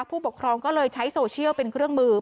ผู้ปกครองก็เลยใช้โซเชียลเป็นเครื่องมือ